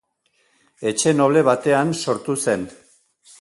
Etxe noble batean sortu zen.